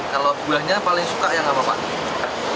kalau buahnya paling suka yang apa pak